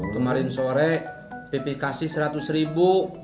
kemarin sore pipi kasih rp seratus